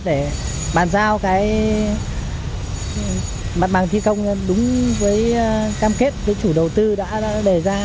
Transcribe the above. để bàn giao mặt bằng thi công đúng với cam kết chủ đầu tư đã đề ra